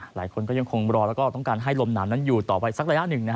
หลายคนก็ยังคงรอแล้วก็ต้องการให้ลมหนาวนั้นอยู่ต่อไปสักระยะหนึ่ง